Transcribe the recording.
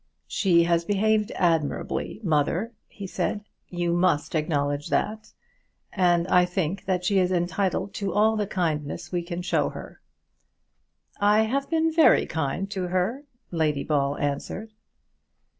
"She has behaved admirably, mother," he said; "you must acknowledge that, and I think that she is entitled to all the kindness we can show her." "I have been kind to her," Lady Ball answered.